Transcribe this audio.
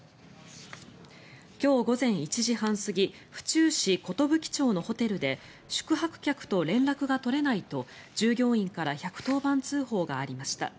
今日午前１時半過ぎ府中市寿町のホテルで宿泊客と連絡が取れないと従業員から１１０番通報がありました。